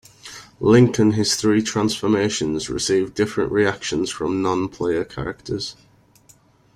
Link and his three transformations receive different reactions from non-player characters.